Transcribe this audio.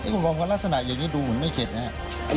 ผมมองว่าลักษณะอย่างนี้ดูเหมือนไม่เข็ดนะครับ